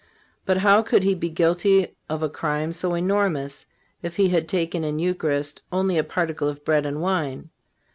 But how could he be guilty of a crime so enormous, if he had taken in the Eucharist only a particle of bread and wine.